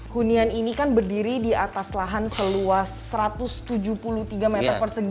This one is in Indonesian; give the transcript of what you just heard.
hunian ini kan berdiri di atas lahan seluas satu ratus tujuh puluh tiga meter persegi